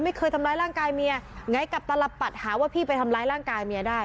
ไม่เคยทำร้ายร่างกายเมียไงกลับตลับปัดหาว่าพี่ไปทำร้ายร่างกายเมียได้